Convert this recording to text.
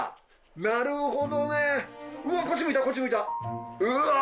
なるほどねこっち向いたこっち向いた！